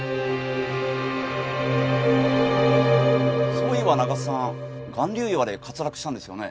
そういえば長津さん巌流岩で滑落したんですよね？